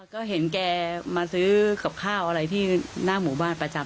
ก็เห็นแกมาซื้อกับข้าวอะไรที่หน้าหมู่บ้านประจำ